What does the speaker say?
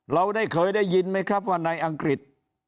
เราได้เคยได้ยินไหมครับว่าในอังกฤษ